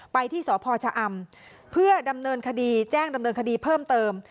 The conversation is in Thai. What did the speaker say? ไปที่สพชะอำเพื่อดำเนินคดีแจ้งดำเนินคดีเพิ่มเติม